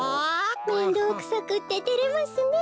めんどうくさくっててれますねえ。